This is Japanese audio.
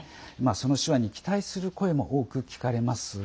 その手腕に期待する声も多く聞かれます。